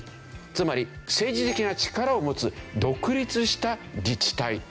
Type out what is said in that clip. つまり政治的な力を持つ独立した自治体。